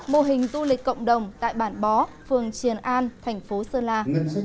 mô hình tu lịch cộng đồng tại bản bó phường triền an tp sơn la